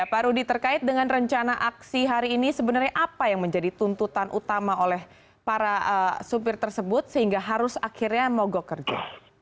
pak rudi terkait dengan rencana aksi hari ini sebenarnya apa yang menjadi tuntutan utama oleh para supir tersebut sehingga harus akhirnya mogok kerja